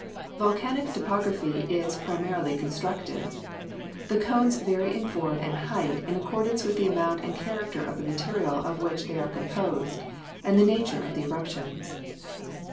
Volcanic topography is primarily constructive. The cones vary in form and height in accordance with the amount and character of the material of which they are composed and the nature of the eruptions.